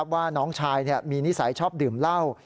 ว่าน้องชายมีนิสัยชอบดื่มเหล้า